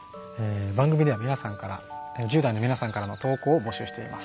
番組では１０代の皆さんからの投稿を募集しています。